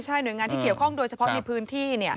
หน่วยงานที่เกี่ยวข้องโดยเฉพาะในพื้นที่